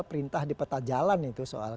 perintah di peta jalan itu soal